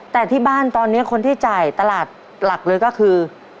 แต่ที่บ้านตอนนี้คนที่จ่ายตลาดหลักเลยก็คือ